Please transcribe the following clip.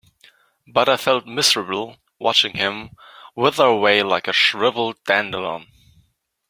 But I felt miserable watching him wither away like a shriveled dandelion.